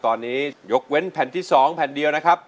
ตอนนี้ยกเว้นแผ่นที่๒แผ่นเดียวนะครับ